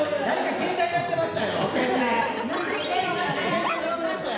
携帯鳴ってましたよ！